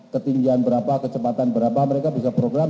ketinggian berapa kecepatan berapa mereka bisa program